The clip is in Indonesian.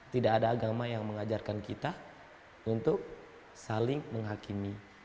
tidak ada agama yang mengajarkan kita untuk saling menghakimi